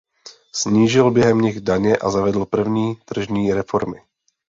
Snížil během nich daně a zavedl první tržní reformy.